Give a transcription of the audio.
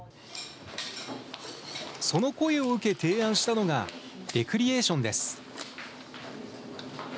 その声を受け、提案したのが、レクリエーションです。